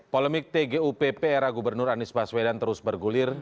polemik tgupp era gubernur anies baswedan terus bergulir